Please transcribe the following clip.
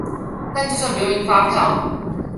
但就算不用印發票